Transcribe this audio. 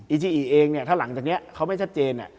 จิอิเองเนี่ยถ้าหลังจากนี้เขาไม่ชัดเจน